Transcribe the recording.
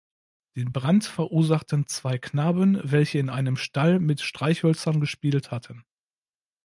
Den Brand verursachten zwei Knaben, welche in einem Stall mit Streichhölzern gespielt hatten.